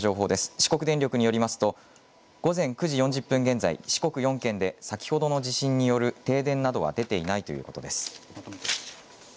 四国電力によりますと午前９時４０分現在、四国４県で先ほどの地震による停電などは出ていないということです。